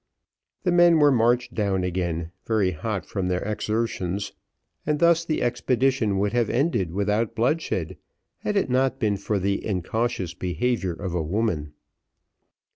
The men were marched down again very hot from their exertions, and thus the expedition would have ended without bloodshed, had it not been for the incautious behaviour of a woman.